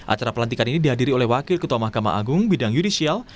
acara pelantikan ini dihadiri oleh wakil ketua mahkamah agung bidang judicial